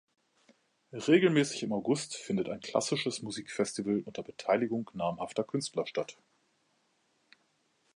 Regelmäßig im August findet ein klassisches Musikfestival unter Beteiligung namhafter Künstler statt.